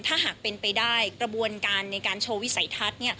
ถ้าหากเป็นไปได้กระบวนการในการโชว์วิสัยทัศน์